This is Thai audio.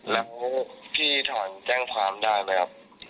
แล้วพี่ถอนแจ้งความได้ไหมครับ